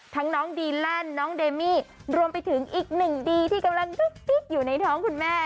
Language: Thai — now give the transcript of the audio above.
น้องดีแลนด์น้องเดมี่รวมไปถึงอีกหนึ่งดีที่กำลังดุ๊กดิ๊กอยู่ในท้องคุณแม่